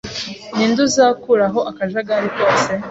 Ninde uzakuraho akajagari kose?